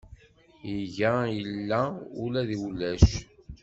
Iga illa ula deg ulac.